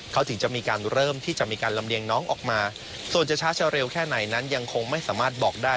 เขาถึงจะมีการเริ่มที่จะมีการลำเลียงน้องออกมาส่วนจะช้าจะเร็วแค่ไหนนั้นยังคงไม่สามารถบอกได้